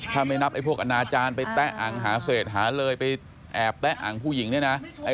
ถ้าไม่นับไอ้พวกอนาจารย์ไปแตะอังหาเศษหาเลยไปแอบแตะอังผู้หญิงเนี่ยนะ